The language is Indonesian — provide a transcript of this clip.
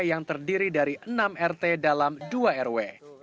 yang terdiri dari enam rt dalam dua rw